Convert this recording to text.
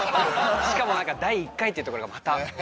しかも第１回っていうところがまた。